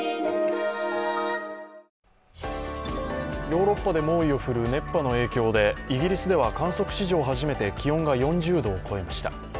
ヨーロッパで猛威を振るう熱波の影響でイギリスでは観測史上初めて気温が４０度を超えました。